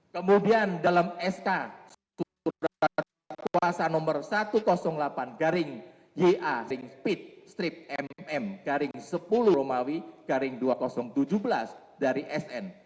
kemudian dalam sk surat kuasa nomor satu ratus delapan ya ring speed strip mm garing sepuluh romawi garing dua ribu tujuh belas dari sn